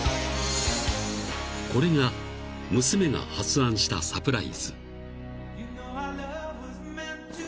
［これが娘が発案したサプライズ］